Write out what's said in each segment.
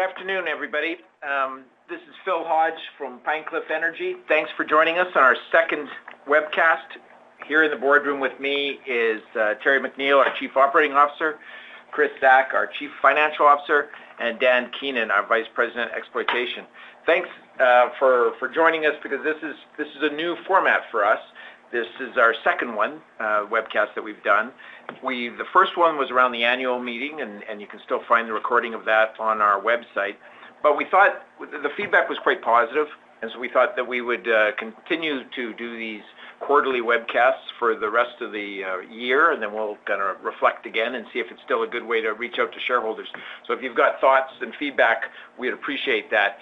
Good afternoon, everybody. This is Phil Hodge from Pine Cliff Energy. Thanks for joining us on our second webcast. Here in the boardroom with me is Terry McNeill, our Chief Operating Officer, Kris Zack, our Chief Financial Officer, and Dan Keenan, our Vice President, Exploitation. Thanks for joining us because this is a new format for us. This is our second one, webcast that we've done. The first one was around the annual meeting, and you can still find the recording of that on our website. But we thought the feedback was quite positive, and so we thought that we would continue to do these quarterly webcasts for the rest of the year, and then we'll kind of reflect again and see if it's still a good way to reach out to shareholders. So if you've got thoughts and feedback, we'd appreciate that.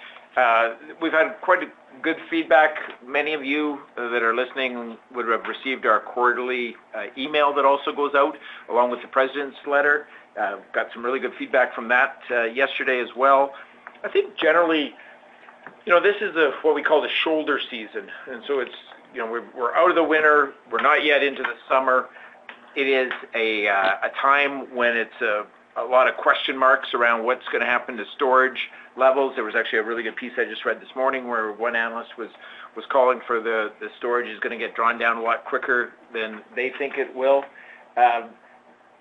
We've had quite a good feedback. Many of you that are listening would have received our quarterly email that also goes out, along with the President's letter. Got some really good feedback from that yesterday as well. I think generally, you know, this is the what we call the shoulder season, and so it's, you know, we're out of the winter, we're not yet into the summer. It is a time when it's a lot of question marks around what's gonna happen to storage levels. There was actually a really good piece I just read this morning where one analyst was calling for the storage is gonna get drawn down a lot quicker than they think it will.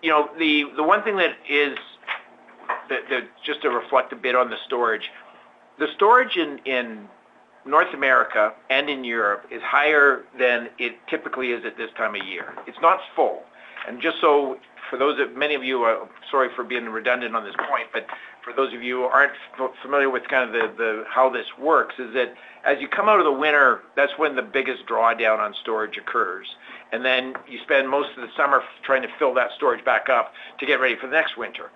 You know, the one thing that is... Just to reflect a bit on the storage. The storage in North America and in Europe is higher than it typically is at this time of year. It's not full, and just so for those of many of you, sorry for being redundant on this point, but for those of you who aren't familiar with kind of the how this works, is that as you come out of the winter, that's when the biggest drawdown on storage occurs, and then you spend most of the summer trying to fill that storage back up to get ready for the next winter.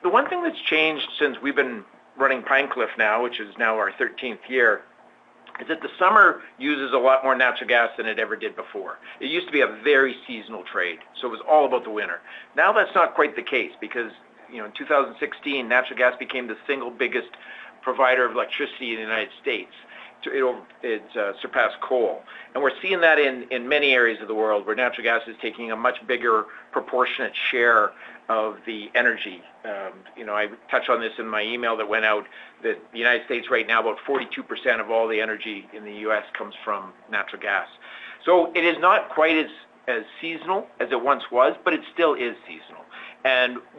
The one thing that's changed since we've been running Pine Cliff now, which is now our thirteenth year, is that the summer uses a lot more natural gas than it ever did before. It used to be a very seasonal trade, so it was all about the winter. Now, that's not quite the case because, you know, in 2016, natural gas became the single biggest provider of electricity in the United States. It surpassed coal. And we're seeing that in many areas of the world, where natural gas is taking a much bigger proportionate share of the energy. You know, I touched on this in my email that went out, that the United States right now, about 42% of all the energy in the U.S. comes from natural gas. So it is not quite as seasonal as it once was, but it still is seasonal.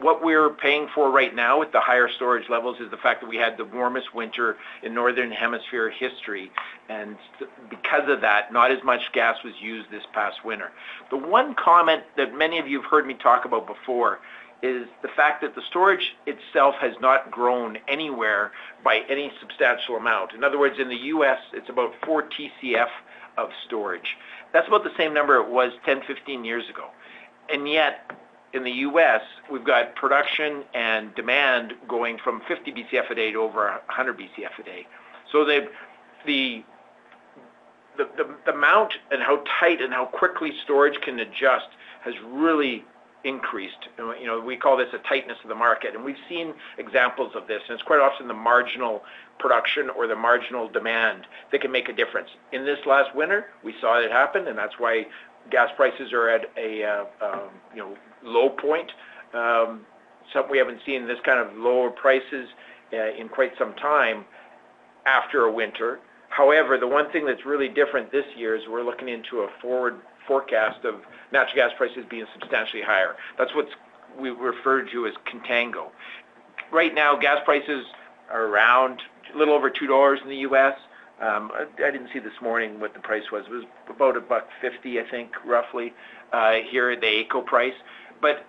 What we're paying for right now with the higher storage levels is the fact that we had the warmest winter in Northern Hemisphere history, and because of that, not as much gas was used this past winter. The one comment that many of you have heard me talk about before is the fact that the storage itself has not grown anywhere by any substantial amount. In other words, in the U.S., it's about four TCF of storage. That's about the same number it was 10, 15 years ago. And yet, in the U.S., we've got production and demand going from 50 Bcf a day to over 100 Bcf a day. So the amount and how tight and how quickly storage can adjust has really increased. You know, we call this a tightness of the market, and we've seen examples of this, and it's quite often the marginal production or the marginal demand that can make a difference. In this last winter, we saw it happen, and that's why gas prices are at a, you know, low point. So we haven't seen this kind of lower prices in quite some time after a winter. However, the one thing that's really different this year is we're looking into a forward forecast of natural gas prices being substantially higher. That's what we refer to as contango. Right now, gas prices are around a little over $2 in the U.S. I didn't see this morning what the price was. It was about a buck fifty, I think, roughly, here at the AECO price. But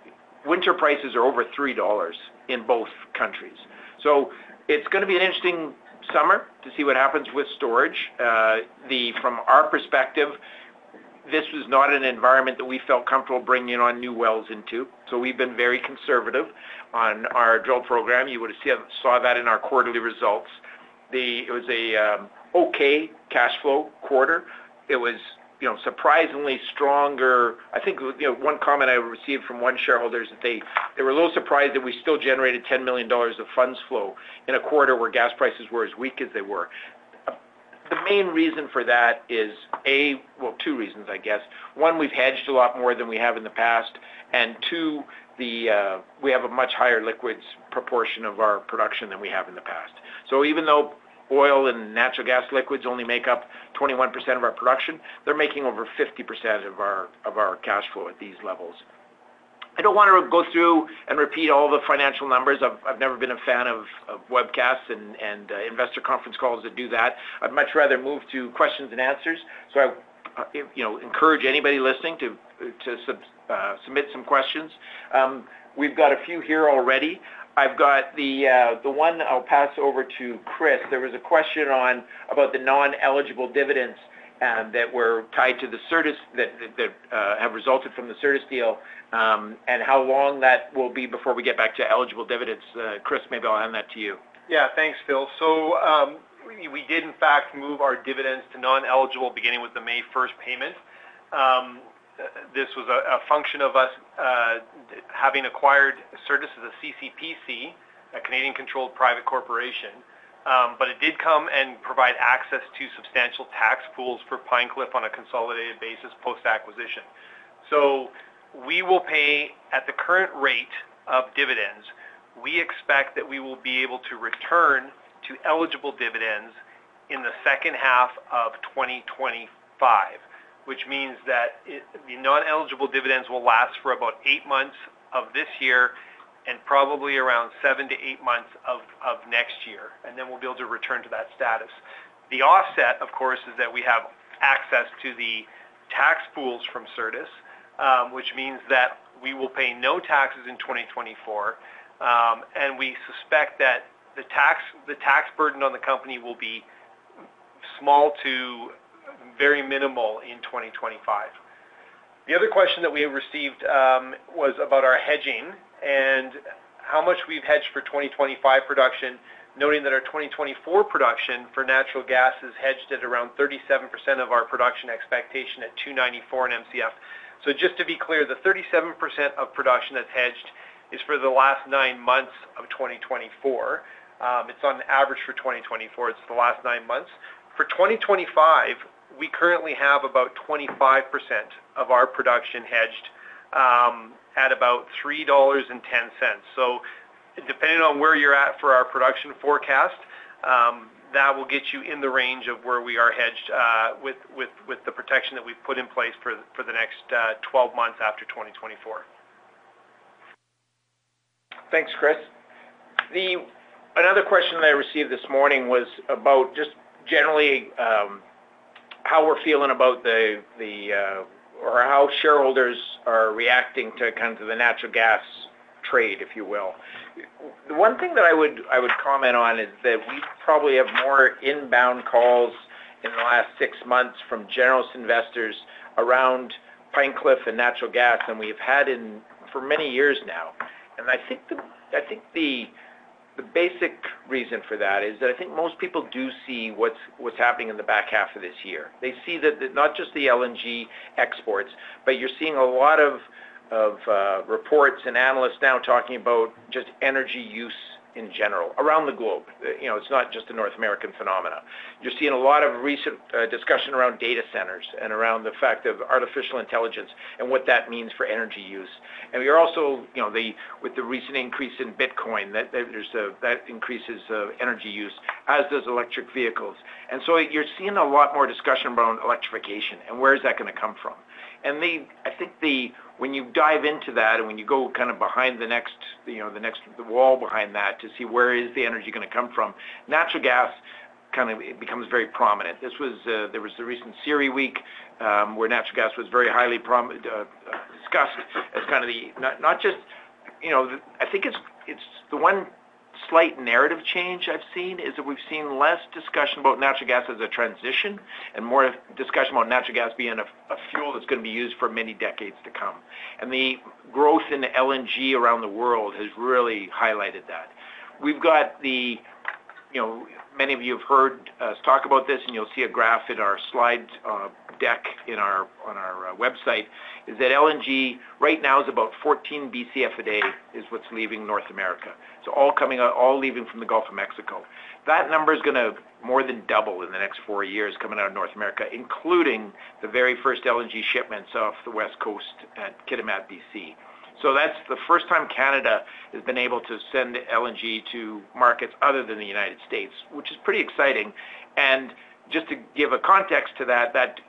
winter prices are over 3 dollars in both countries. So it's gonna be an interesting summer to see what happens with storage. From our perspective, this was not an environment that we felt comfortable bringing on new wells into, so we've been very conservative on our drill program. You would have saw that in our quarterly results. The... It was a, okay cash flow quarter. It was, you know, surprisingly stronger... I think, you know, one comment I received from one shareholder is that they, they were a little surprised that we still generated 10 million dollars of funds flow in a quarter where gas prices were as weak as they were. The main reason for that is, Well, two reasons, I guess. One, we've hedged a lot more than we have in the past, and two, we have a much higher liquids proportion of our production than we have in the past. So even though oil and natural gas liquids only make up 21% of our production, they're making over 50% of our cash flow at these levels. I don't want to go through and repeat all the financial numbers. I've never been a fan of webcasts and investor conference calls that do that. I'd much rather move to questions and answers, so you know, encourage anybody listening to submit some questions. We've got a few here already. I've got the one I'll pass over to Kris. There was a question on, about the non-eligible dividends, that were tied to the Certus, that have resulted from the Certus deal, and how long that will be before we get back to eligible dividends. Kris, maybe I'll hand that to you. Yeah. Thanks, Phil. So, we did in fact move our dividends to non-eligible beginning with the May first payment. This was a function of us having acquired Certus as a CCPC, a Canadian-controlled private corporation, but it did come and provide access to substantial tax pools for Pine Cliff on a consolidated basis post-acquisition. So we will pay at the current rate of dividends. We expect that we will be able to return to eligible dividends in the second half of 2025, which means that it, the non-eligible dividends will last for about eight months of this year and probably around seven to eight months of next year, and then we'll be able to return to that status. The offset, of course, is that we have access to the tax pools from Certus, which means that we will pay no taxes in 2024. And we suspect that the tax, the tax burden on the company will be small to very minimal in 2025. The other question that we have received was about our hedging and how much we've hedged for 2025 production, noting that our 2024 production for natural gas is hedged at around 37% of our production expectation at $2.94/MCF. So just to be clear, the 37% of production that's hedged is for the last nine months of 2024. It's on average for 2024, it's the last nine months. For 2025, we currently have about 25% of our production hedged at about $3.10. So depending on where you're at for our production forecast, that will get you in the range of where we are hedged with the protection that we've put in place for the next 12 months after 2024. Thanks, Kris. Another question that I received this morning was about just generally how we're feeling about the or how shareholders are reacting to kind of the natural gas trade, if you will. The one thing that I would, I would comment on is that we probably have more inbound calls in the last six months from generalist investors around Pine Cliff and natural gas than we've had for many years now. And I think the basic reason for that is that I think most people do see what's happening in the back half of this year. They see that not just the LNG exports, but you're seeing a lot of reports and analysts now talking about just energy use in general around the globe. You know, it's not just a North American phenomena. You're seeing a lot of recent discussion around data centers and around the fact of artificial intelligence and what that means for energy use. And we are also, you know, with the recent increase in Bitcoin, that increases energy use, as does electric vehicles. And so you're seeing a lot more discussion about electrification and where is that gonna come from. And I think the... when you dive into that, and when you go kind of behind the wall behind that to see where is the energy gonna come from, natural gas kind of becomes very prominent. This was, there was the recent CERAWeek, where natural gas was very highly discussed as kind of the, not just, you know. I think it's the one slight narrative change I've seen is that we've seen less discussion about natural gas as a transition and more discussion about natural gas being a fuel that's gonna be used for many decades to come. And the growth in LNG around the world has really highlighted that. We've got the, you know, many of you have heard us talk about this, and you'll see a graph in our slide deck on our website, is that LNG right now is about 14 Bcf a day, is what's leaving North America. So all coming out, all leaving from the Gulf of Mexico. That number is gonna more than double in the next four years coming out of North America, including the very first LNG shipments off the West Coast at Kitimat, B.C. So that's the first time Canada has been able to send LNG to markets other than the United States, which is pretty exciting. And just to give a context to that, that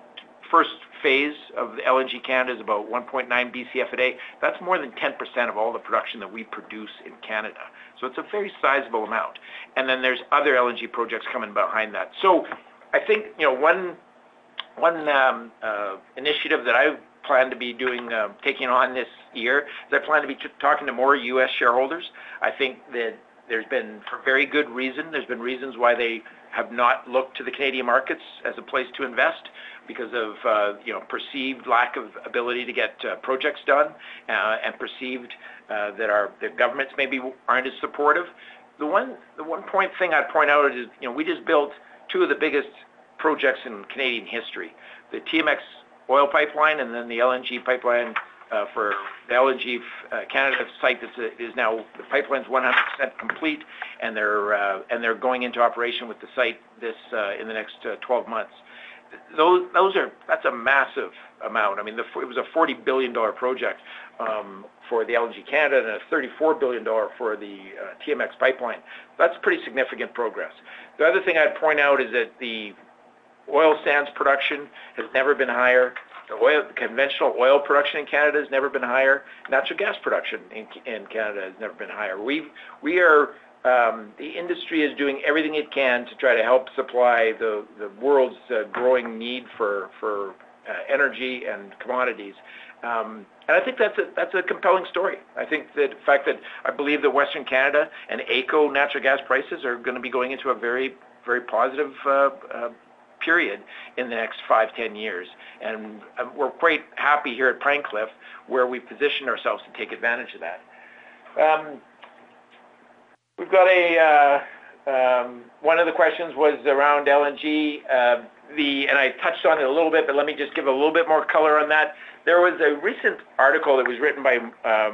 first phase of LNG Canada is about 1.9 Bcf a day. That's more than 10% of all the production that we produce in Canada. So it's a very sizable amount. And then there's other LNG projects coming behind that. So I think, you know, one initiative that I plan to be doing, taking on this year, is I plan to be talking to more U.S. shareholders. I think that there's been, for very good reason, there's been reasons why they have not looked to the Canadian markets as a place to invest because of, you know, perceived lack of ability to get projects done, and perceived that our, the governments maybe aren't as supportive. The one, the one point thing I'd point out is, you know, we just built two of the biggest projects in Canadian history, the TMX oil pipeline, and then the LNG pipeline for the LNG Canada site. This is now, the pipeline's 100% complete, and they're, and they're going into operation with the site this, in the next 12 months. Those, those are. That's a massive amount. I mean, it was a 40 billion dollar project for the LNG Canada, and a 34 billion dollar for the TMX pipeline. That's pretty significant progress. The other thing I'd point out is that the oil sands production has never been higher. The oil, conventional oil production in Canada has never been higher. Natural gas production in Canada has never been higher. We are the industry is doing everything it can to try to help supply the world's growing need for energy and commodities. And I think that's a compelling story. I think the fact that I believe that Western Canada and AECO natural gas prices are gonna be going into a very, very positive period in the next five-10 years. We're quite happy here at Pine Cliff, where we've positioned ourselves to take advantage of that. One of the questions was around LNG. I touched on it a little bit, but let me just give a little bit more color on that. There was a recent article that was written by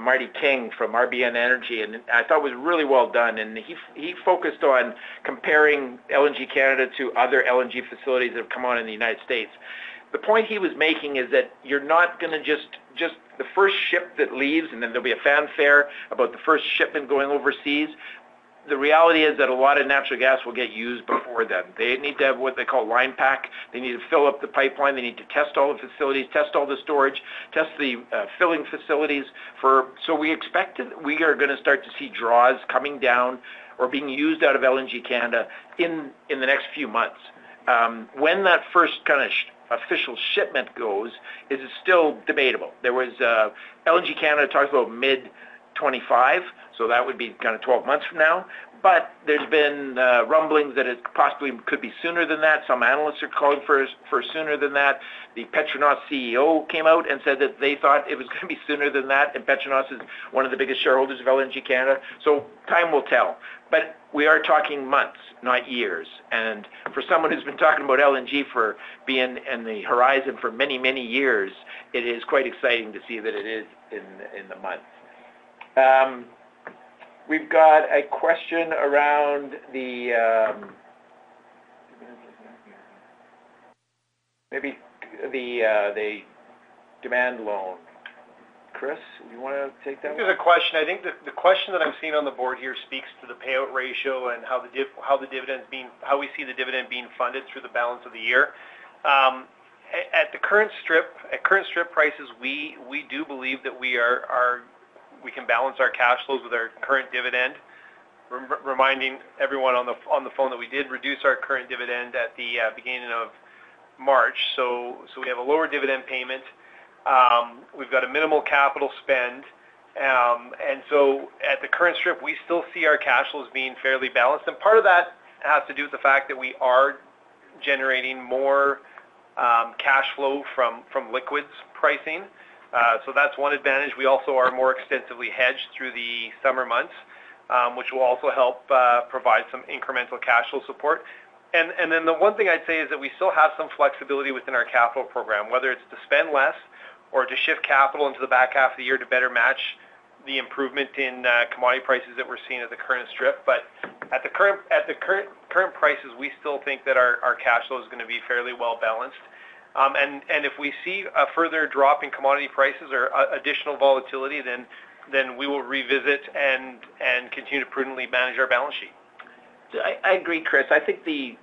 Martin King from RBN Energy, and I thought it was really well done, and he focused on comparing LNG Canada to other LNG facilities that have come on in the United States. The point he was making is that you're not gonna just. The first ship that leaves, and then there'll be a fanfare about the first shipment going overseas. The reality is that a lot of natural gas will get used before then. They need to have what they call line pack. They need to fill up the pipeline. They need to test all the facilities, test all the storage, test the filling facilities for... So we expect that we are gonna start to see draws coming down or being used out of LNG Canada in the next few months. When that first kind of official shipment goes, it is still debatable. There was LNG Canada talks about mid-2025, so that would be kinda 12 months from now. But there's been rumblings that it possibly could be sooner than that. Some analysts are calling for sooner than that. The Petronas CEO came out and said that they thought it was gonna be sooner than that, and Petronas is one of the biggest shareholders of LNG Canada. So time will tell. But we are talking months, not years, and for someone who's been talking about LNG for being in the horizon for many, many years, it is quite exciting to see that it is in the months. We've got a question around the maybe the demand loan. Kris, you wanna take that one? There's a question. I think the question that I'm seeing on the board here speaks to the payout ratio and how we see the dividend being funded through the balance of the year. At the current strip prices, we do believe that we can balance our cash flows with our current dividend. Reminding everyone on the phone that we did reduce our current dividend at the beginning of March, so we have a lower dividend payment. We've got a minimal capital spend. And so at the current strip, we still see our cash flows being fairly balanced, and part of that has to do with the fact that we are generating more cash flow from liquids pricing. So that's one advantage. We also are more extensively hedged through the summer months, which will also help provide some incremental cash flow support. And then the one thing I'd say is that we still have some flexibility within our capital program, whether it's to spend less or to shift capital into the back half of the year to better match the improvement in commodity prices that we're seeing at the current strip. But at the current prices, we still think that our cash flow is gonna be fairly well-balanced. And if we see a further drop in commodity prices or additional volatility, then we will revisit and continue to prudently manage our balance sheet. I agree, Kris. I think the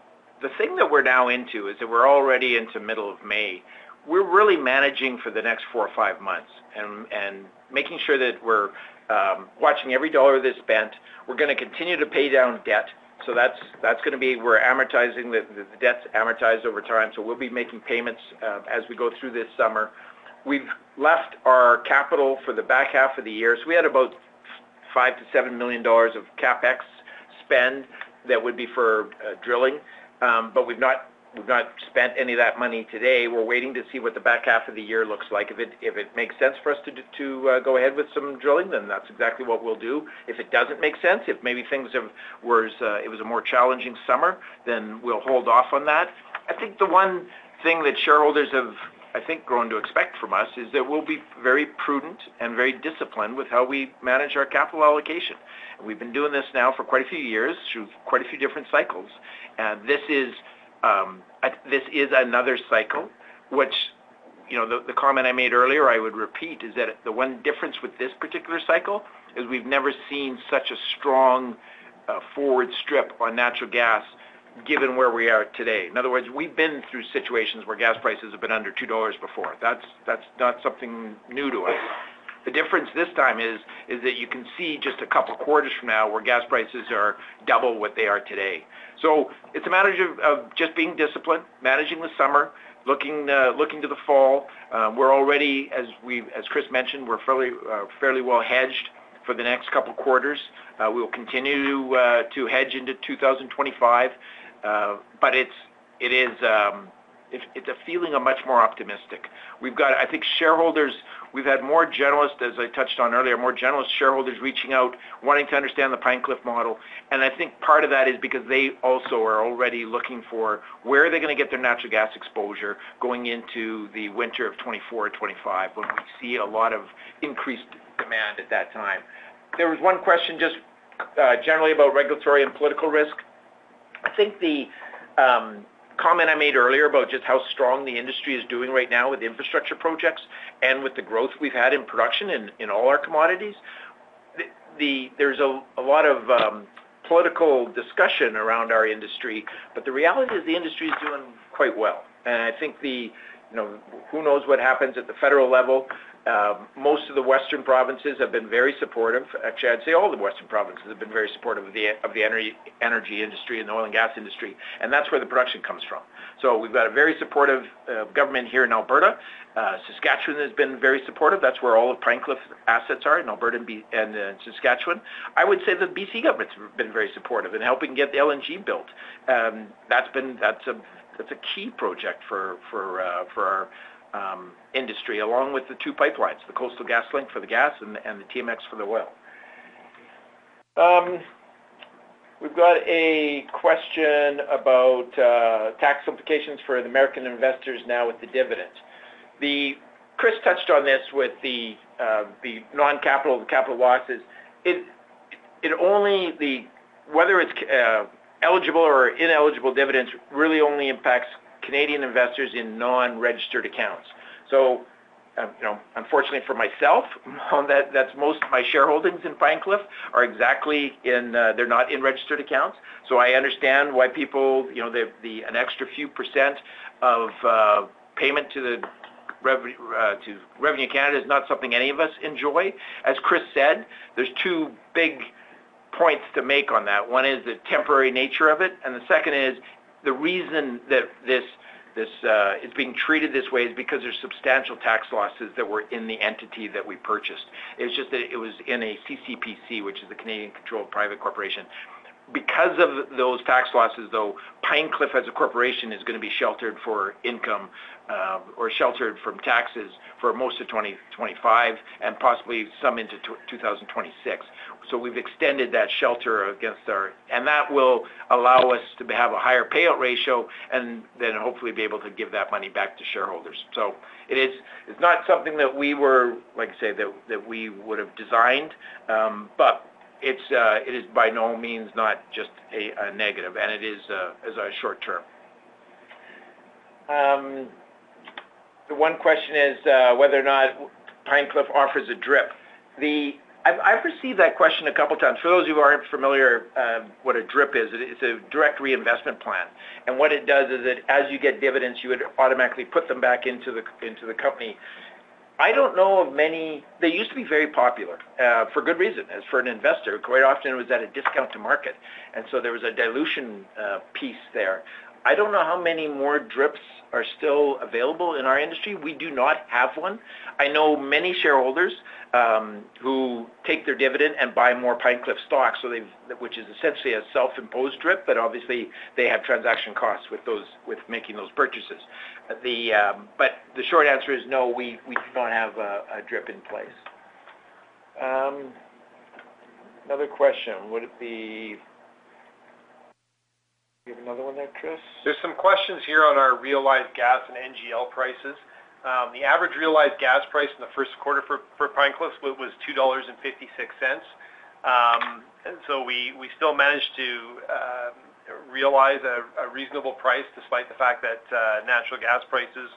thing that we're now into is that we're already into the middle of May. We're really managing for the next four or five months and making sure that we're watching every dollar that's spent. We're gonna continue to pay down debt, so that's gonna be. We're amortizing the debts, amortized over time, so we'll be making payments as we go through this summer. We've left our capital for the back half of the year, so we had about 5 million-7 million dollars of CapEx spend that would be for drilling. But we've not spent any of that money today. We're waiting to see what the back half of the year looks like. If it makes sense for us to do to go ahead with some drilling, then that's exactly what we'll do. If it doesn't make sense, if maybe things have-- worse, it was a more challenging summer, then we'll hold off on that. I think the one thing that shareholders have, I think, grown to expect from us is that we'll be very prudent and very disciplined with how we manage our capital allocation. We've been doing this now for quite a few years, through quite a few different cycles, and this is a-- this is another cycle which... You know, the comment I made earlier, I would repeat, is that the one difference with this particular cycle is we've never seen such a strong forward strip on natural gas, given where we are today. In other words, we've been through situations where gas prices have been under 2 dollars before. That's not something new to us. The difference this time is that you can see just a couple of quarters from now where gas prices are double what they are today. So it's a matter of just being disciplined, managing the summer, looking to the fall. We're already, as Kris mentioned, we're fairly well hedged for the next couple quarters. We'll continue to hedge into 2025. But it's a feeling of much more optimistic. We've got, I think, shareholders... We've had more generalists, as I touched on earlier, more generalist shareholders reaching out, wanting to understand the Pine Cliff model, and I think part of that is because they also are already looking for where are they gonna get their natural gas exposure going into the winter of 2024 or 2025, when we see a lot of increased demand at that time. There was one question just, generally about regulatory and political risk. I think the comment I made earlier about just how strong the industry is doing right now with infrastructure projects and with the growth we've had in production in all our commodities, there's a lot of political discussion around our industry, but the reality is the industry is doing quite well. And I think the, you know, who knows what happens at the federal level? Most of the western provinces have been very supportive. Actually, I'd say all the western provinces have been very supportive of the energy industry and the oil and gas industry, and that's where the production comes from. So we've got a very supportive government here in Alberta. Saskatchewan has been very supportive. That's where all of Pine Cliff's assets are, in Alberta and Saskatchewan. I would say the B.C. government's been very supportive in helping get the LNG built. That's a key project for our industry, along with the two pipelines, the Coastal GasLink for the gas and the TMX for the oil. We've got a question about tax implications for the American investors now with the dividend. The capital losses. It only whether it's eligible or ineligible dividends, really only impacts Canadian investors in non-registered accounts. So, you know, unfortunately for myself, on that, that's most of my shareholdings in Pine Cliff are exactly in... They're not in registered accounts, so I understand why people, you know, an extra few percent of payment to Revenue Canada is not something any of us enjoy. As Kris said, there's two big points to make on that. One is the temporary nature of it, and the second is the reason that this is being treated this way is because there's substantial tax losses that were in the entity that we purchased. It's just that it was in a CCPC, which is a Canadian-controlled private corporation. Because of those tax losses, though, Pine Cliff, as a corporation, is gonna be sheltered for income, or sheltered from taxes for most of 2025 and possibly some into 2026. So we've extended that shelter against our. And that will allow us to have a higher payout ratio and then hopefully be able to give that money back to shareholders. So it is, it's not something that we were, like I say, that we would have designed, but it's, it is by no means not just a negative, and it is short-term. The one question is whether or not Pine Cliff offers a DRIP. The... I've received that question a couple of times. For those who aren't familiar, what a DRIP is, it is a direct reinvestment plan, and what it does is that as you get dividends, you would automatically put them back into the, into the company. I don't know of many... They used to be very popular, for good reason, as for an investor, quite often it was at a discount to market, and so there was a dilution piece there. I don't know how many more DRIPs are still available in our industry. We do not have one. I know many shareholders who take their dividend and buy more Pine Cliff stocks, so they've, which is essentially a self-imposed DRIP, but obviously they have transaction costs with those, with making those purchases. But the short answer is no, we, we don't have a, a DRIP in place. Another question. Would it be... Do you have another one there, Kris? There's some questions here on our realized gas and NGL prices. The average realized gas price in the first quarter for Pine Cliff was 2.56 dollars. And so we still managed to realize a reasonable price, despite the fact that natural gas prices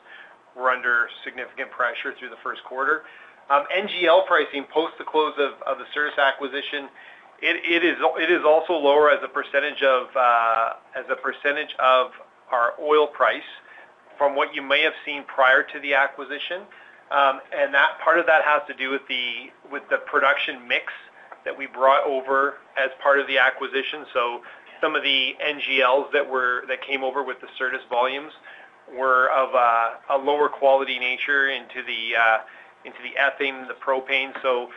were under significant pressure through the first quarter. NGL pricing post the close of the Certus acquisition, it is also lower as a percentage of our oil price from what you may have seen prior to the acquisition. And that part of that has to do with the production mix that we brought over as part of the acquisition. So some of the NGLs that came over with the Certus volumes were of a lower quality nature into the ethane, the propane. So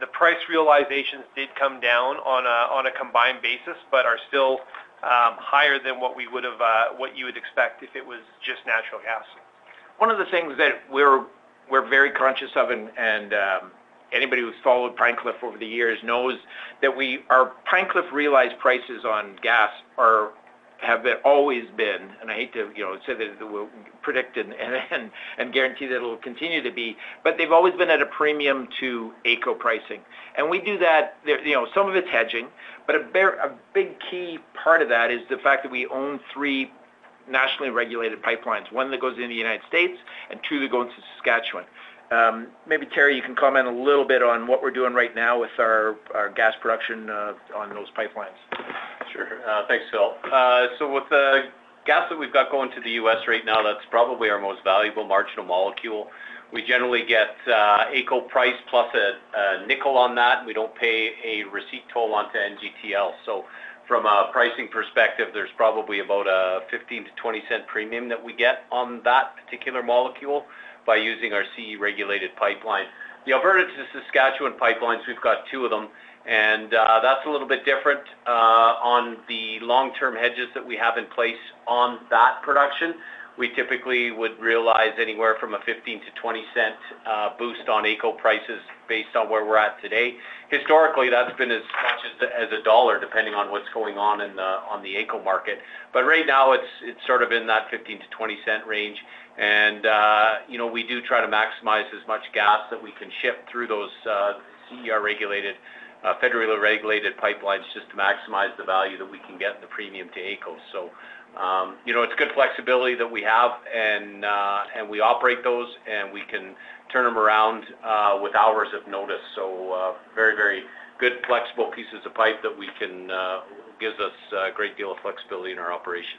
the price realizations did come down on a combined basis, but are still higher than what we would have what you would expect if it was just natural gas. One of the things that we're very conscious of, anybody who's followed Pine Cliff over the years knows, that our Pine Cliff realized prices on gas have always been, and I hate to, you know, say that it will predict and guarantee that it'll continue to be, but they've always been at a premium to AECO pricing. And we do that, some of it's hedging, but a big key part of that is the fact that we own three nationally regulated pipelines, one that goes into the United States and two that go into Saskatchewan. Maybe, Terry, you can comment a little bit on what we're doing right now with our gas production on those pipelines. Sure. Thanks, Phil. So with the gas that we've got going to the U.S. right now, that's probably our most valuable marginal molecule. We generally get AECO price +CAD 0.05 on that, and we don't pay a receipt toll onto NGTL. So from a pricing perspective, there's probably about a 0.15-0.20 premium that we get on that particular molecule by using our TC-regulated pipeline. The Alberta to the Saskatchewan pipelines, we've got two of them, and that's a little bit different on the long-term hedges that we have in place on that production. We typically would realize anywhere from a 0.15-0.20 boost on AECO prices based on where we're at today. Historically, that's been as much as CAD 1, depending on what's going on in the AECO market. But right now, it's sort of in that 0.15-0.20 range. And, you know, we do try to maximize as much gas that we can ship through those, CER-regulated, federally regulated pipelines, just to maximize the value that we can get in the premium to AECO. So, you know, it's good flexibility that we have, and we operate those, and we can turn them around with hours of notice. So, very, very good, flexible pieces of pipe that we can. Gives us a great deal of flexibility in our operation.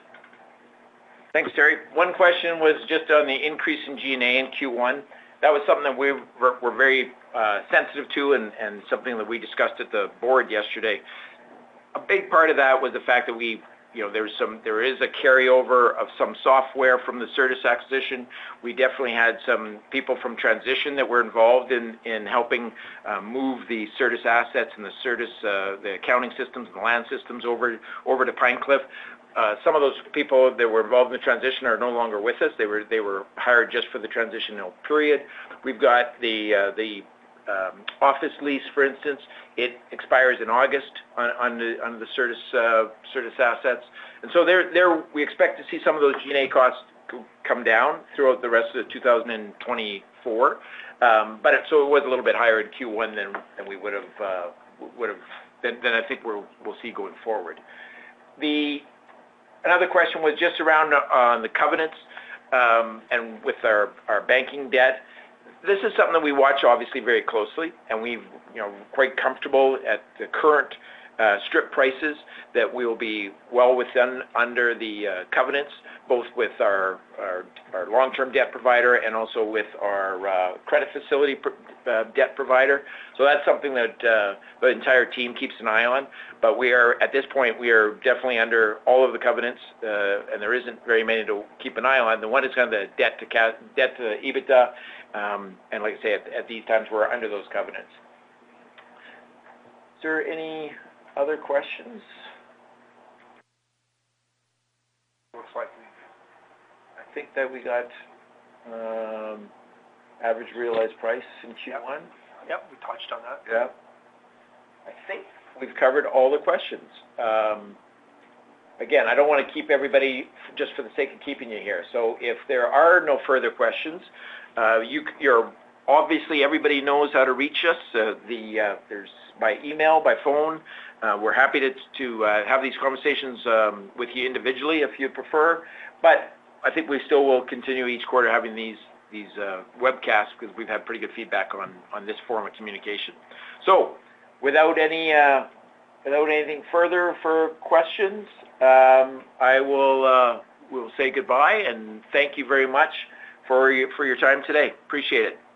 Thanks, Terry. One question was just on the increase in G&A in Q1. That was something that we're very sensitive to and something that we discussed at the board yesterday. A big part of that was the fact that you know, there is a carryover of some software from the Certus acquisition. We definitely had some people from transition that were involved in helping move the Certus assets and the Certus the accounting systems and the land systems over to Pine Cliff. Some of those people that were involved in the transition are no longer with us. They were hired just for the transitional period. We've got the office lease, for instance, it expires in August on the Certus assets. So there we expect to see some of those G&A costs come down throughout the rest of 2024. But so it was a little bit higher in Q1 than we would've than I think we'll see going forward. Another question was just around on the covenants and with our banking debt. This is something that we watch obviously very closely, and we've you know quite comfortable at the current strip prices that we will be well within under the covenants both with our long-term debt provider and also with our credit facility debt provider. So that's something that the entire team keeps an eye on. But at this point, we are definitely under all of the covenants, and there isn't very many to keep an eye on. The one that's kind of the debt to EBITDA, and like I said, at these times, we're under those covenants. Is there any other questions? Looks like we've... I think that we got average realized price in Q1. Yep, we touched on that. Yep. I think we've covered all the questions. Again, I don't want to keep everybody just for the sake of keeping you here. So if there are no further questions, obviously, everybody knows how to reach us. There's by email, by phone. We're happy to have these conversations with you individually, if you'd prefer. But I think we still will continue each quarter having these webcasts, because we've had pretty good feedback on this form of communication. So without anything further for questions, I will say goodbye, and thank you very much for your time today. Appreciate it.